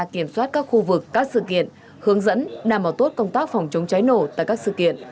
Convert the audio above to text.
kiểm soát các khu vực các sự kiện hướng dẫn đảm bảo tốt công tác phòng chống cháy nổ tại các sự kiện